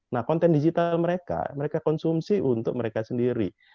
nah konten digital mereka mereka konsumsi untuk mereka sendiri